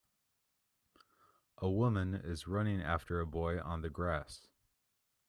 A woman is running after a boy on the grass.